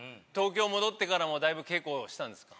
戻ってからもだいぶ稽古したんですか？